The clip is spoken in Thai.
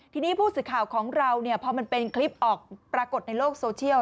ทีนี้ผู้สื่อข่าวของเราพอมันเป็นคลิปออกปรากฏในโลกโซเชียล